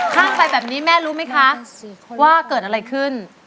ข้ามไปแบบนี้แม่รู้ไหมคะว่าเกิดอะไรขึ้น